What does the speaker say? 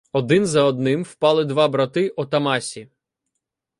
Один за одним впали два брати Отамасі.